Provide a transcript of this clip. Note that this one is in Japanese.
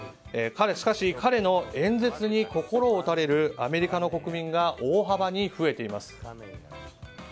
しかし、彼の演説に心を打たれるアメリカの国民が大幅に増えています。